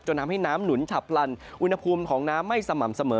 ทำให้น้ำหนุนฉับพลันอุณหภูมิของน้ำไม่สม่ำเสมอ